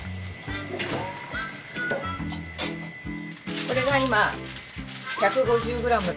これは今１５０ｇ。